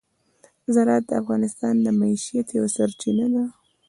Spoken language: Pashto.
زراعت د افغانانو د معیشت یوه سرچینه ده.